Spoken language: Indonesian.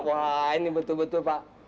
wah ini betul betul pak